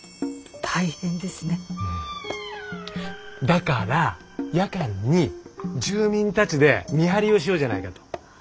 だから夜間に住民たちで見張りをしようじゃないかと。